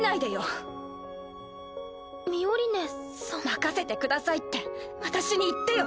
任せてくださいって私に言ってよ。